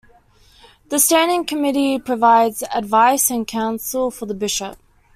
The standing committee provides advice and counsel for the bishop.